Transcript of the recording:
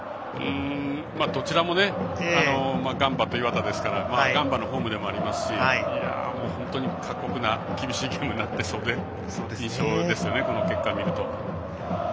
どちらもガンバと磐田ですからガンバのホームでもありますし本当に過酷な厳しいゲームになっているという印象ですよね、この結果を見ると。